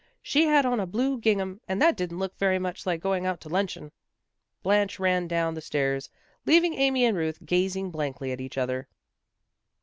She had on a blue gingham, and that didn't look very much like going out to luncheon." Blanche ran down the stairs, leaving Amy and Ruth gazing blankly at each other.